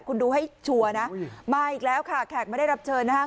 คุณดูให้ชัวร์นะมาอีกแล้วค่ะแขกไม่ได้รับเชิญนะคะ